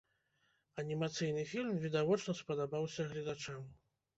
Анімацыйны фільм відавочна спадабаўся гледачам.